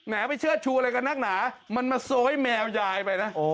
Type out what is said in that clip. ไปเชื่อชูอะไรกับนักหนามันมาโซยแมวยายไปนะ